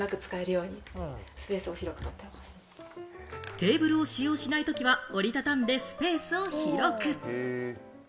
テーブルを使用しない時は折りたたんでスペースを広く。